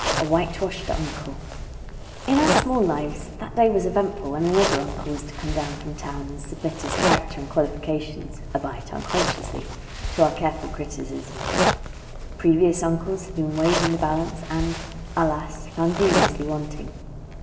A WHITE WASHED UNCLE In our small lives that day was eventful when another uncle was to come down from town, and submit his character and qualifications (albeit unconsciously) to our careful criticism. Previous uncles had been weighed in the balance, and alas! found grievously wanting.